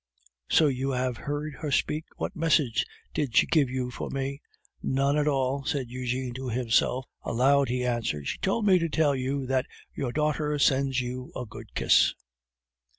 _ so you have heard her speak? What message did she give you for me?" "None at all," said Eugene to himself; aloud he answered, "She told me to tell you that your daughter sends you a good kiss."